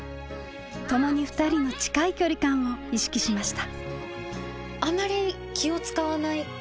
ともに２人の近い距離感を意識しました。